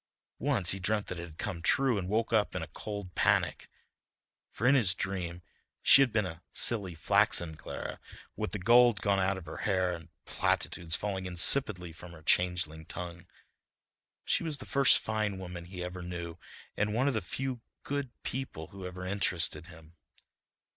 Once he dreamt that it had come true and woke up in a cold panic, for in his dream she had been a silly, flaxen Clara, with the gold gone out of her hair and platitudes falling insipidly from her changeling tongue. But she was the first fine woman he ever knew and one of the few good people who ever interested him.